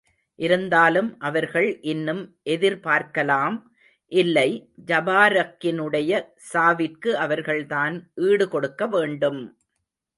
இருந்தாலும், அவர்கள் இன்னும் எதிர் பார்க்கலாம்! இல்லை, ஜபாரக்கினுடைய சாவிற்கு அவர்கள்தான் ஈடு கொடுக்க வேண்டும்!